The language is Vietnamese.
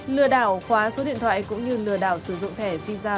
lừa đảo khóa số điện thoại cũng như lừa đảo sử dụng thẻ visa